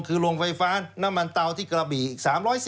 คือโรงไฟฟ้าน้ำมันเตาที่กระบี่อีก๓๔๐